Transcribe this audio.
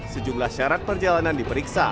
sejumlah syarat perjalanan diperiksa